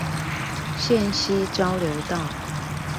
線西交流道